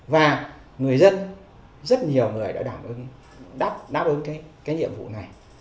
và người dân rất nhiều người đã đảm ứng đáp ứng cái nhiệm vụ này